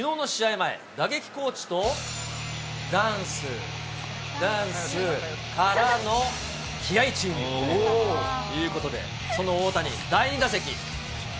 前、打撃コーチとダンス、ダンスからの、気合い注入。ということで、その大谷、第２打席。